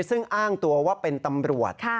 ซึ่งอ้างตัวว่าเป็นตำรวจ